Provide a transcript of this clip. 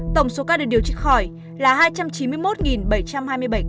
tổng số ca được điều trị khỏi là hai trăm chín mươi một bảy trăm hai mươi bảy ca